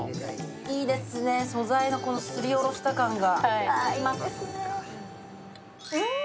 いいですね、この素材のすりおろした感が。